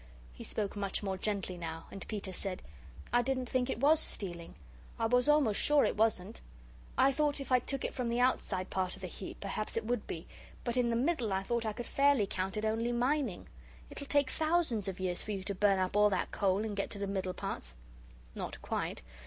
He spoke much more gently now, and Peter said: "I didn't think it was stealing. I was almost sure it wasn't. I thought if I took it from the outside part of the heap, perhaps it would be. But in the middle I thought I could fairly count it only mining. It'll take thousands of years for you to burn up all that coal and get to the middle parts." "Not quite.